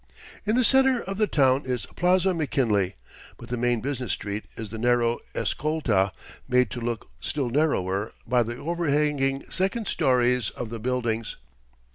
In the center of the town is Plaza McKinley, but the main business street is the narrow Escolta, made to look still narrower by the overhanging second stories of the buildings.